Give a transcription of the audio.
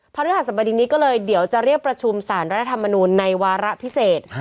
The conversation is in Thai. พระธุรกาศบดินิก็เลยเดี๋ยวจะเรียบประชุมศาลรัฐธรรมนูนในวาระพิเศษ